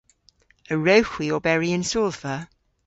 A wrewgh hwi oberi yn sodhva?